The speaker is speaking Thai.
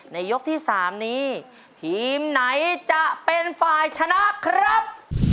ยกที่๓นี้ทีมไหนจะเป็นฝ่ายชนะครับ